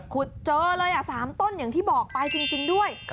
ขุดเจอเลย๓ต้นอย่างที่บอกไปจริงด้วย